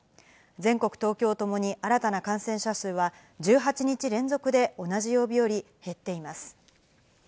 全国、東京ともに、新たな感染者数は１８日連続で同じ曜日より減っています。